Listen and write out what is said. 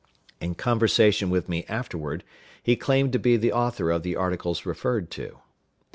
In conversation with me afterward, he claimed to be the author of the articles referred to.